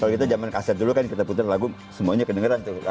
kalau kita zaman kaset dulu kan kita putar lagu semuanya kedengeran tuh